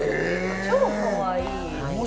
超かわいい。